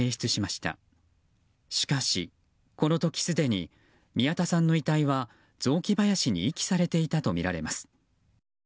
しかし、この時すでに宮田さんの遺体は雑木林に遺棄されていたとみられます。